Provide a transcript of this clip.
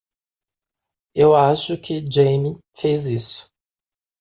Eu acho que Jamie fez isso.